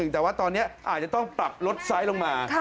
แต่ว่าตอนนี้อาจจะต้องปรับลดไซส์ลงมา